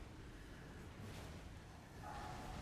现属重庆市。